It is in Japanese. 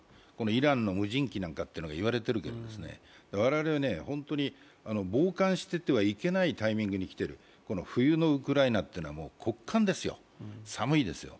イランの無人機化とか言われているけれども、我々は傍観していてはいけないタイミングに来ている、冬のウクライナというのは極寒ですよ、寒いですよ。